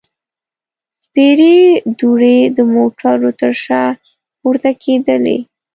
سپېرې دوړې د موټرو تر شا پورته کېدلې.